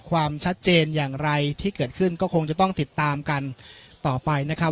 ความชัดเจนอย่างไรที่เกิดขึ้นก็คงจะต้องติดตามกันต่อไปนะครับ